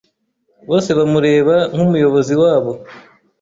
Bose bamureba nk'umuyobozi wabo.